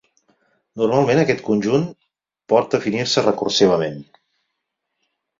Normalment aquest conjunt por definir-se recursivament.